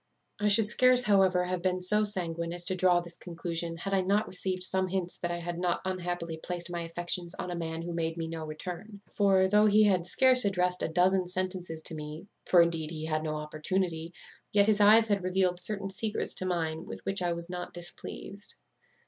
"I should scarce, however, have been so sanguine as to draw this conclusion, had I not received some hints that I had not unhappily placed my affections on a man who made me no return; for, though he had scarce addressed a dozen sentences to me (for, indeed, he had no opportunity), yet his eyes had revealed certain secrets to mine with which I was not displeased.